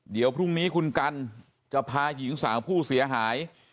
เดี๋ยวพรุ่งนี้คุณกันจะพาหญิงสาวผู้เสียหาย